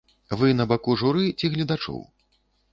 Вы на баку журы ці гледачоў?